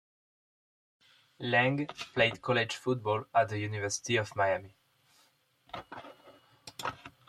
Lang played college football at the University of Miami.